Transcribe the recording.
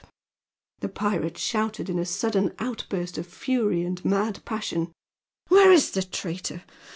the pirate shouted in a sudden outburst of fury and mad passion, "where is the traitor?